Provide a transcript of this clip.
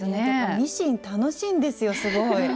ミシン楽しいんですよすごい。